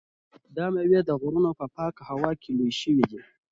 دا مېوې د غرونو په پاکه هوا کې لویې شوي دي.